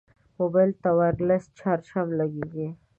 موبایل ته وایرلس چارج هم لګېږي.